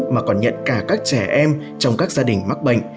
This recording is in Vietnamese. mà còn nhận cả các trẻ em trong các gia đình mắc bệnh